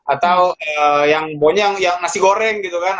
atau yang nasi goreng gitu kan